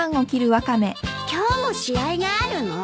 今日も試合があるの？